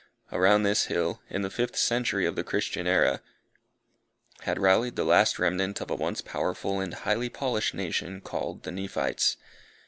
Around this hill, in the fifth century of the Christian era, had rallied the last remnant of a once powerful and highly polished nation called the Nephites.